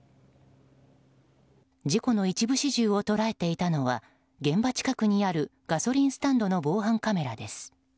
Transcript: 事故の一部始終を捉えてたのは現場近くにあるガソリンスタンドの防犯カメラです。